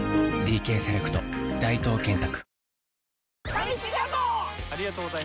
ファミチキジャンボ！